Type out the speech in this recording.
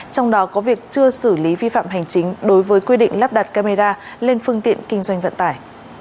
trong đó có việc chưa xử lý vi phạm hành chính đối với quy định lắp đặt camera lên phương tiện kinh doanh vận tải